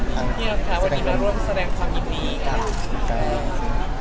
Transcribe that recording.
วันนี้มาร่วมแสดงความดีกับคุณแป้ง